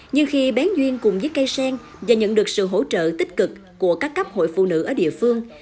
nhưng khi bán duyên cùng với cây sen và nhận được sự hỗ trợ tích cực của các cấp hội phụ nữ ở địa phương